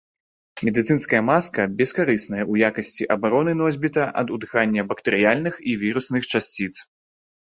Медыцынская маска бескарысная ў якасці абароны носьбіта ад удыхання бактэрыяльных і вірусных часціц.